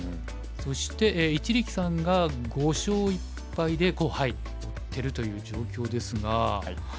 そして一力さんが５勝１敗で入っているという状況ですが。